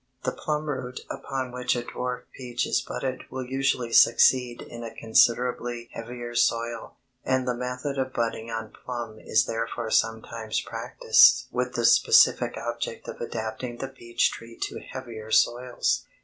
The plum root upon which a dwarf peach is budded will usually succeed in a considerably heavier soil, and the method of budding on plum is therefore sometimes practised with the specific object of adapting the peach tree to heavier soils.